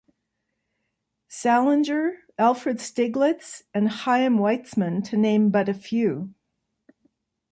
Salinger, Alfred Stieglitz, and Chaim Weizmann, to name but a few.